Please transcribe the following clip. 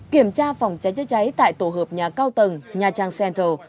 kiểm tra phòng cháy chữa cháy tại tổ hợp nhà cao tầng nha trang central